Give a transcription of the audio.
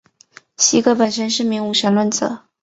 席格本身是名无神论者。